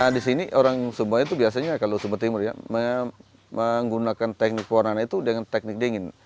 di sini orang sumba itu biasanya kalau sumba timur ya menggunakan teknik pewarna itu dengan teknik dingin